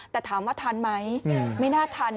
แต่ถามว่าทันไหมไม่น่าทัน